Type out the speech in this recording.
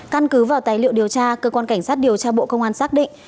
căn cứ vào tài liệu điều tra cơ quan cảnh sát điều tra bộ công an xác định